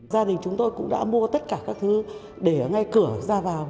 gia đình chúng tôi cũng đã mua tất cả các thứ để ngay cửa ra vào